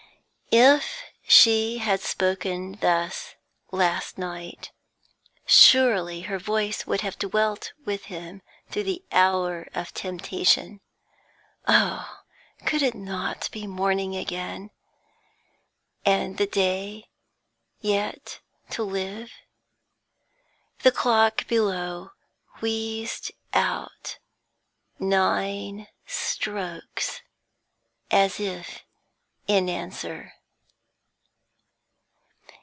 If she had spoken thus last night, surely her voice would have dwelt with him through the hour of temptation. Oh, could it not be morning again, and the day yet to live? The clock below wheezed out nine strokes as if in answer.